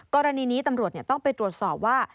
กรณีนี้ตำรวจต้องไปตรวจสอบว่า